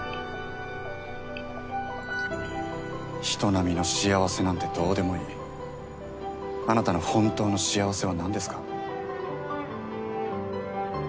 人並みの幸せなんてどうでもいいあなたの本当の幸せは何ですか？